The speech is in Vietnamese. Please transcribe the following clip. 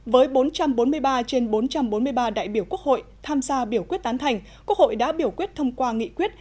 với bốn trăm bốn mươi ba trên bốn trăm bốn mươi ba đại biểu quốc hội tham gia biểu quyết tán thành quốc hội đã biểu quyết thông qua nghị quyết